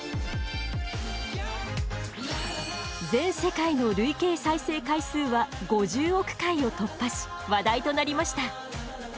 全世界の累計再生回数は５０億回を突破し話題となりました。